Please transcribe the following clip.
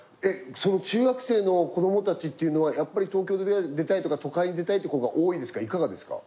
その中学生の子どもたちというのはやっぱり東京に出たいとか都会に出たいっていう子が多いですかいかがですか？